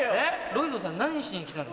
ロイドさん何しに来たんですか？